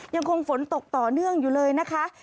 ยังคงฝนตกต่อเนื่องอยู่เลยนะคะ